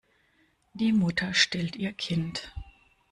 Die Mutter stillt ihr Kind.